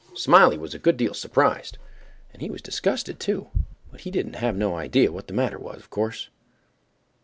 Smiley was a good deal surprised, and he was disgusted too, but he didn't have no idea what the matter was, of course.